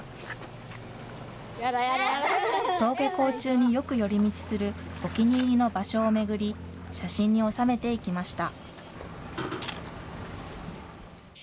登下校中によく寄り道するお気に入りの場所を巡り、写真に収めていきました。